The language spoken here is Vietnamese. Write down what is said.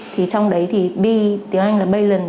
thì trong đấy thì b tiếng anh là balen